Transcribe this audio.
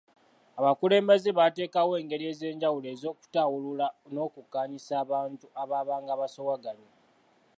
Abakulembeze baateekawo engeri ez’enjawulo ez’okutaawulula n’okukkaanyisa abantu abaabanga basoowaganye.